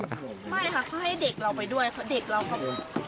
ไม่ค่ะเขาให้เด็กเราไปด้วยเพราะเด็กเราก็